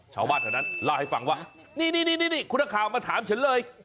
ชาวบ้านเถอะนั้นลาให้ฟังว่านี่คุณรศาวมาถามฉันเลย